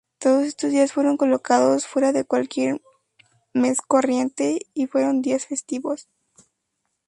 Todos estos días fueron colocados fuera de cualquier mes corriente y fueron días festivos.